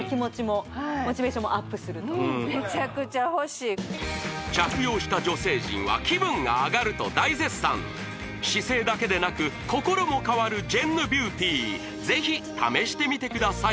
またちょっと着用した女性陣は気分が上がると大絶賛姿勢だけでなく心も変わるジェンヌビューティーぜひ試してみてください